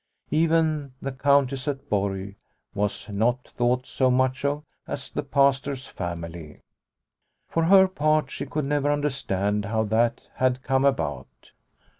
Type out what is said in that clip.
Even the Countess at Borg was not thought so much of as the Pastor's family. For her part she could never understand how that had come about.